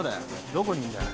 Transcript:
どこにいんだよ。